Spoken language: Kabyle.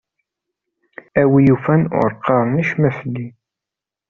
A wi yufan ur qqaren acemma fell-i.